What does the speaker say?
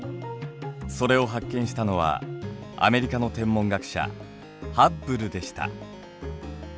それを発見したのはアメリカの天文学者ハッブルでした。